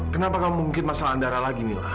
kenapa kamu mengungkit masalah andara lagi mila